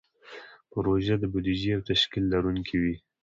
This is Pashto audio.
پروژه د بودیجې او تشکیل لرونکې وي.